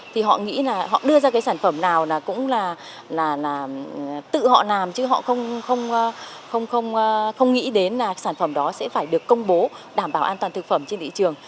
thì họ nghĩ là họ đưa ra cái sản phẩm nào là cũng là tự họ làm chứ họ không nghĩ đến là sản phẩm đó sẽ phải được công bố đảm bảo an toàn thực phẩm trên thị trường